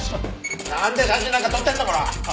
なんで写真なんか撮ってんだコラ！